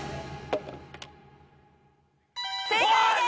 正解です！